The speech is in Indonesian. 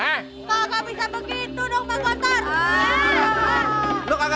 enggak bisa begitu dong pak bongsar